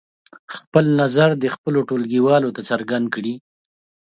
خپل نظر دې خپلو ټولګیوالو ته څرګند کړي.